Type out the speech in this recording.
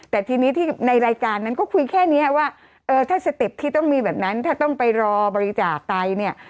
แต่ทีนี้ที่ในรายการนั้นก็คุยแค่นี้ว่าเออถ้าสเต็ปที่ต้องมีแบบนั้นถ้าต้องไปรอบริจาคไตเนี่ย